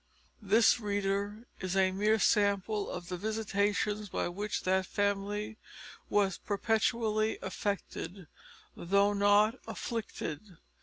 This, reader, is a mere sample of the visitations by which that family was perpetually affected, though not afflicted.